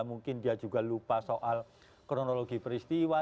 mungkin dia juga lupa soal kronologi peristiwa